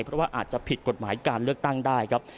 เพราะว่าอาจจะผิดกฎหมายการเลือกตั้งได้ครับ